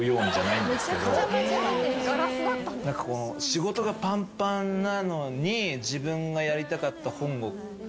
仕事がパンパンなのに自分がやりたかった本を。